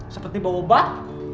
seperti bau obat